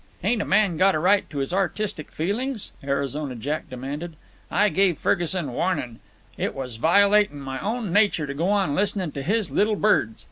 "Ain't a man got a right to his artistic feelin's?" Arizona Jack demanded. "I gave Ferguson warnin'. It was violatin' my own nature to go on listening to his little birds.